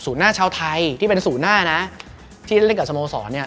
ศูนย์หน้าชาวไทยที่เป็นศูนย์หน้านะที่เล่นกับสโมสร